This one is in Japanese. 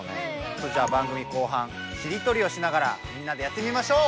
それじゃあ番組後半しりとりをしながらみんなでやってみましょう！